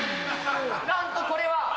なんとこれは。